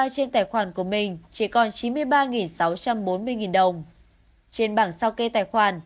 trên tài khoản của mình chỉ còn chín mươi ba sáu trăm bốn mươi đồng trên bảng sao kê tài khoản